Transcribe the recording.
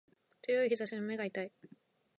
強い日差しで目が痛い